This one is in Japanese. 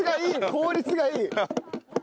効率がいい！